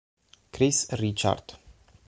Chris Richard